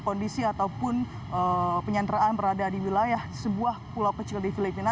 kondisi ataupun penyanderaan berada di wilayah sebuah pulau kecil di filipina